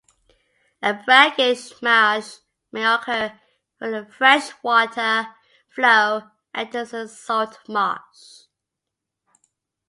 A brackish marsh may occur where a freshwater flow enters a salt marsh.